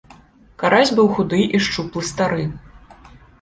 Карась быў худы і шчуплы стары.